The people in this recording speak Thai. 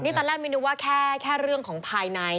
ตอนแรกมินนึกว่าแค่เรื่องของภายใน